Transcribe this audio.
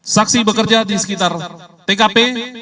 saksi bekerja di sekitar tkp